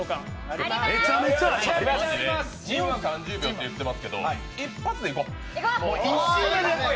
２分３０秒って言ってますけど一発でいこ。